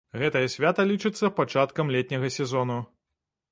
Гэтае свята лічыцца пачаткам летняга сезону.